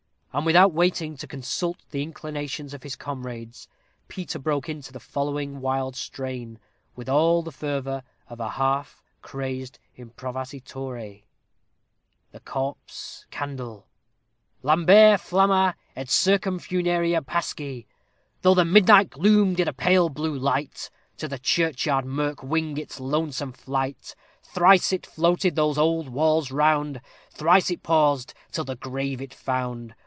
And without waiting to consult the inclinations of his comrades, Peter broke into the following wild strain with all the fervor of a half crazed improvisatore: THE CORPSE CANDLE Lambere flamma ταφος et circum funera pasci. Through the midnight gloom did a pale blue light To the churchyard mirk wing its lonesome flight: Thrice it floated those old walls round Thrice it paused till the grave it found.